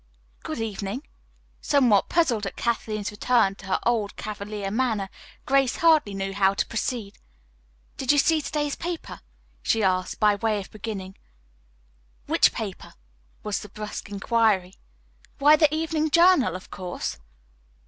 "Good evening." Somewhat puzzled at Kathleen's return to her old, cavalier manner, Grace hardly knew how to proceed. "Did you see today's paper?" she asked, by way of beginning. "Which paper?" was the brusque inquiry. "Why, the 'Evening Journal,' of course."